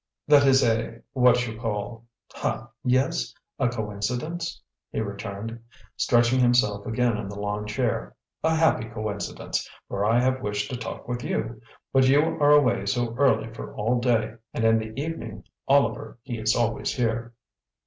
"That is a what you call? ha, yes, a coincidence," he returned, stretching himself again in the long chair, "a happy coincidence; for I have wished a talk with you; but you are away so early for all day, and in the evening Oliver, he is always here."